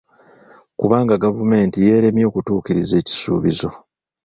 Kubanga gavumenti yeeremye okutuukiriza ekisuubizo.